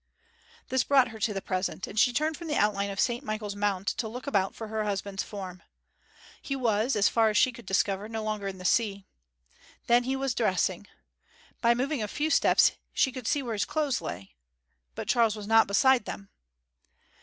This brought her to the present, and she turned from the outline of St Michael's Mount to look about for her husband's form. He was, as far as she could discover, no longer in the sea. Then he was dressing. By moving a few steps she could see where his clothes lay. But Charles was not beside them.